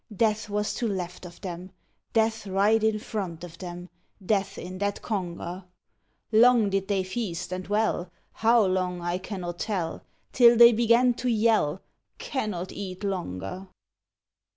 Death was to left of them. Death right in front of them. Death in that conger ! Long did they feast, and well, How long I cannot tell. Till they began to yell, " Cannot eat longer